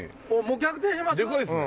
もう逆転します？